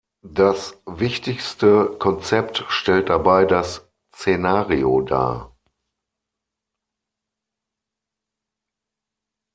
Das wichtigste Konzept stellt dabei das Szenario dar.